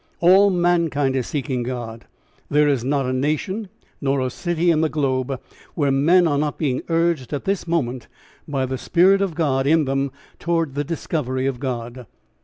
All mankind is seeking God. There is not a nation nor a city in the globe where men are not being urged at this moment by the spirit of God in them towards the discovery of God.